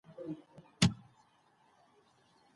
د قسم او عدالت تفصيلي بحث دادی.